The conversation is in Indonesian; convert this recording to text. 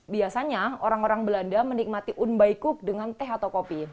biasanya orang orang belanda menikmati un baikub dengan teh atau kopi